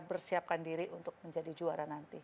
bersiapkan diri untuk menjadi juara nanti